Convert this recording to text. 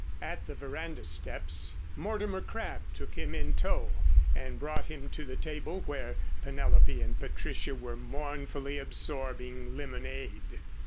At the veranda steps Mortimer Crabb took him in tow and brought him to the table where Penelope and Patricia were mournfully absorbing lemonade.